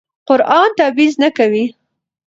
قرآن تبعیض نه کوي.